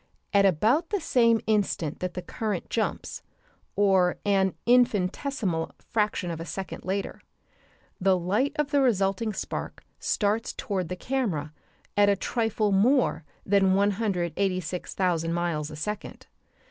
At about the same instant that the current jumps, or an infinitesimal fraction of a second later, the light of the resulting spark starts toward the camera at a trifle more than 186,000 miles a second.